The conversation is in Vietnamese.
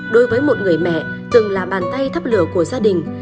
đối với một người mẹ từng là bàn tay thắp lửa của gia đình